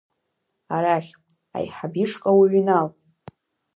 Арахь, аиҳаб ишҟа уҩнал.